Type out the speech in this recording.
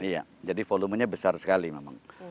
iya jadi volumenya besar sekali memang